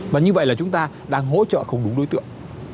và như vậy là chúng ta đang hỗ trợ không đúng đối tượng